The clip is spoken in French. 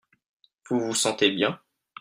Vous vous sentez bien ?